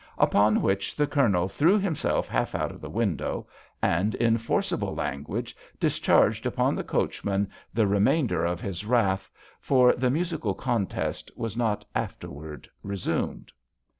Upon which the Colonel threw himself half out of the window and, in forcible language, dis charged upon the coachman the remainder of his wrath, for the musical contest was not after wards resumed.